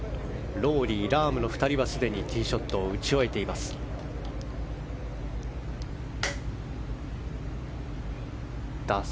ロウリー、ラームの２人はすでにティーショットを打ち終えています。